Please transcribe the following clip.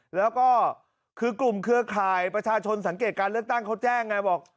แล้วก็คือกลุ่มเครือข่ายประชาชนสังเกตการเลือกตั้งเขาแจ้งไงบอก